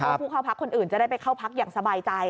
ผู้เข้าพักคนอื่นจะได้ไปเข้าพักอย่างสบายใจ